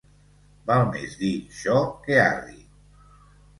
Val més dir xo que arri.